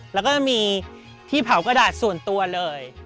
แล้วก็จะมีที่เผากระดาษส่วนตัวเลย